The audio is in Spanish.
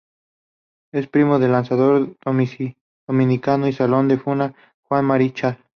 Es primo del lanzador dominicano y Salón de la Fama Juan Marichal.